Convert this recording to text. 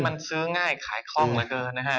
มันซื้อง่ายขายคล่องเหลือเกินนะฮะ